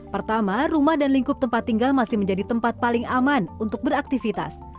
pertama rumah dan lingkup tempat tinggal masih menjadi tempat paling aman untuk beraktivitas